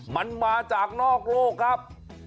มันมาจากนอกโลกครับ